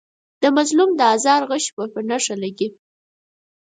د مظلوم د آزار غشی په نښه لګي.